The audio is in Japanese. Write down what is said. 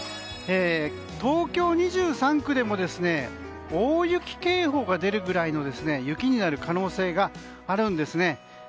東京２３区でも大雪警報が出るくらいの雪になる可能性があるんですね。